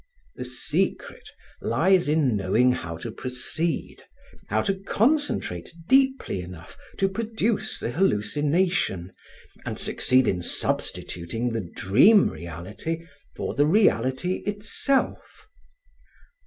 The secret lies in knowing how to proceed, how to concentrate deeply enough to produce the hallucination and succeed in substituting the dream reality for the reality itself.